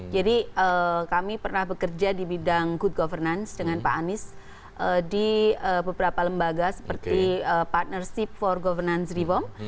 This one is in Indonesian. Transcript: jadi kami pernah bekerja di bidang good governance dengan pak anies di beberapa lembaga seperti partnership for governance reform